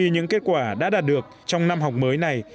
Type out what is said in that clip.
tại vì những kết quả đã đạt được trong năm học mới này